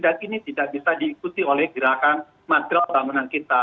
dan ini tidak bisa diikuti oleh gerakan material bangunan kita